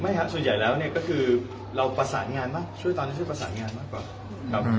ครับส่วนใหญ่แล้วเนี่ยก็คือเราประสานงานบ้างช่วยตอนนี้ช่วยประสานงานมากกว่าครับ